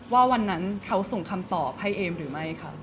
ว่าวันนั้นเขาส่งคำตอบให้เอมหรือไม่ค่ะ